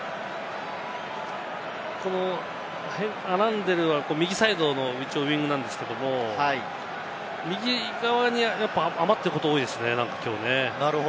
アランデルは右サイドのウイングなんですけれども、右側がやっぱ余ってることが多いですね、きょう。